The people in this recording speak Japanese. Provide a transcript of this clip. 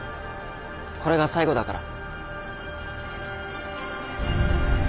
これが最後だから。